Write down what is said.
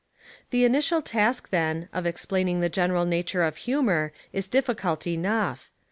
The initial task, then, of explaining the gen eral nature of humour is difficult enough.